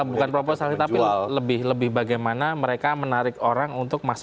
bukan proposal tapi lebih lebih bagaimana mereka menarik orang untuk masuk